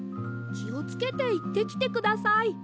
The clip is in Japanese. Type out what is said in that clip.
きをつけていってきてください。